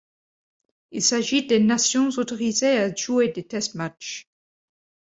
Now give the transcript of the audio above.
Il s'agit des nations autorisées à jouer des test-matchs.